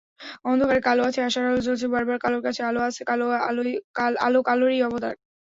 অন্ধকারে কালো আছে, আশার আলো জ্বলছে বারবার, কালোর কাছে আলো আছে, আলো-কালোই অবতার।